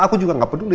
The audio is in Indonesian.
aku juga gak peduli